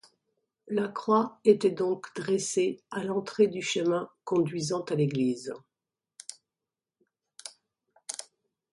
La croix était donc dressée à l'entrée du chemin conduisant à l'église.